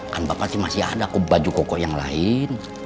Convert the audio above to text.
kan bapak masih ada baju koko yang lain